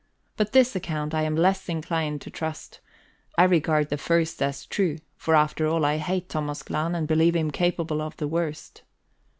But this account I am less inclined to trust; I regard the first as true, for after all I hate Thomas Glahn and believe him capable of the worst.